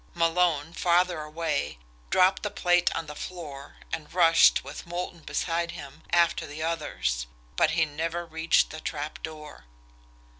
Malone, farther away, dropped the plate on the floor, and rushed, with Moulton beside him, after the others but he never reached the trapdoor.